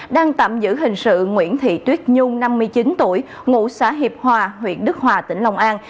đang tạm giữ hình sự nguyễn thị tuyết nhung năm mươi chín tuổi ngụ xã hiệp hòa huyện đức hòa tỉnh long an